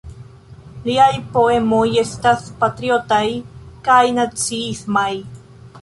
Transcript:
Liaj poemoj estas patriotaj kaj naciismaj.